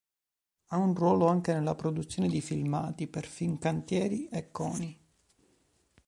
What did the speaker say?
Ha un ruolo anche nella produzione di filmati per Fincantieri e Coni.